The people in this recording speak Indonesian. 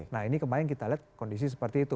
nah ini kemarin kita lihat kondisi seperti itu